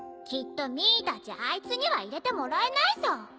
きっとミーたちあいつには入れてもらえないさ